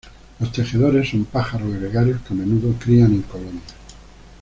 Los tejedores son pájaros gregarios que a menudo crían en colonias.